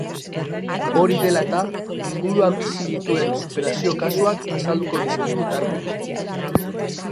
Hori dela eta, inguruan bizi dituen superazio kasuak azalduko dizkigu tarteka.